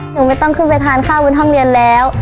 หนูไม่ต้องขึ้นไปทานข้าวบนห้องเรียนแล้ว